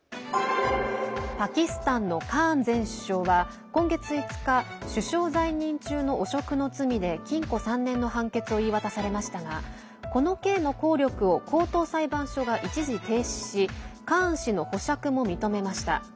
パキスタンのカーン前首相は今月５日首相在任中の汚職の罪で禁錮３年の判決を言い渡されましたがこの刑の効力を高等裁判所が一時停止しカーン氏の保釈も認めました。